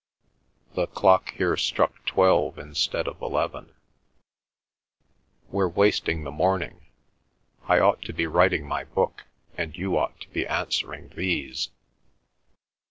The clock here struck twelve instead of eleven. "We're wasting the morning—I ought to be writing my book, and you ought to be answering these."